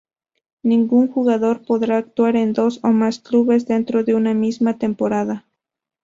Ningún jugador podrá actuar en dos o más clubes dentro de una misma temporada.